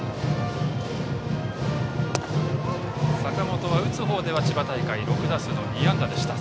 坂本は、打つ方では千葉大会６打数の２安打でした。